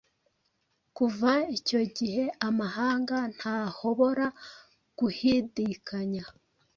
Kuva icyo gihe Amahanga ntahobora guhidikanya